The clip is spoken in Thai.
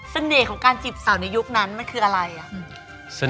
ของการจีบสาวในยุคนั้นมันคืออะไรอ่ะ